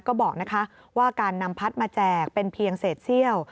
ก็บอกว่าการนำพัดมาแจกเป็นเพียงเศษเซี่ยว